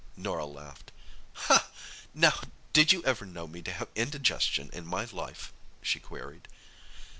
Norah laughed. "Now, did you ever know me to have indigestion in my life?" she queried.